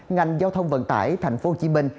ngành giao thông vận tải thành phố hồ chí minh